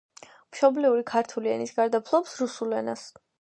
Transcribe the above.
მშობლიური ქართული ენის გარდა ფლობს რუსულ ენას.